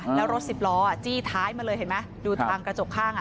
แล้วรถสิบล้อจี้ท้ายมาเลยเห็นไหมดูทางกระจกข้างอ่ะ